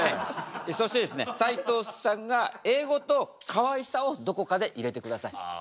そしてですね斉藤さんが英語とかわいさをどこかで入れてください。